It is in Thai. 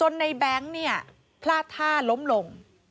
ในแบงค์เนี่ยพลาดท่าล้มลง